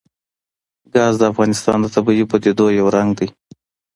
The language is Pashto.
ګاز د افغانستان د طبیعي پدیدو یو رنګ دی.